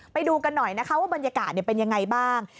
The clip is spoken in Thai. ไปดูกันหน่อยนะคะว่าบรรยากาศเป็นยังไงบ้าง